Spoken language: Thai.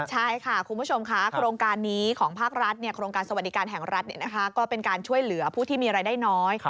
ใช่ค่ะคุณผู้ชมค่ะโครงการนี้ของภาครัฐโครงการสวัสดิการแห่งรัฐก็เป็นการช่วยเหลือผู้ที่มีรายได้น้อย